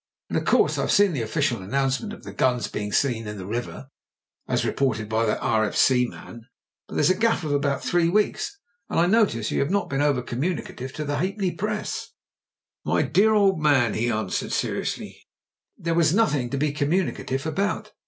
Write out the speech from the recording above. And of course Fve seen the official announcement of the guns being seen in the river, as reported by that R.F.C. man. But there is a gap of about three weeks ; and I notice you have not been over communicative to the half penny press." "My dear old man," he answered, seriously, "there was nothing to be communicative about.